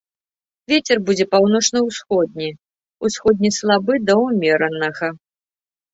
Вецер будзе паўночна-ўсходні, усходні слабы да ўмеранага.